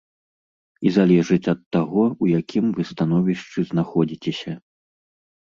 І залежыць ад таго, у якім вы становішчы знаходзіцеся.